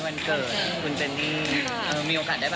มันเกิดคุณเชนี่มีโอกาสได้พอ